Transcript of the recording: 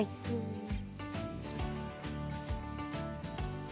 はい。